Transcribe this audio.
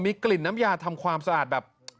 มีกลิ่นน้ำยาทำความสะอาดแบบ